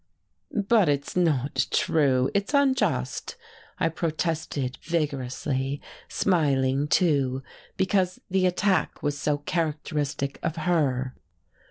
"But it's not true, it's unjust," I protested vigorously, smiling, too, because the attack was so characteristic of her.